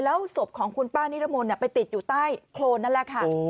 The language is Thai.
แล้วศพของคุณป้านิรมนต์ไปติดอยู่ใต้โครนนั่นแหละค่ะ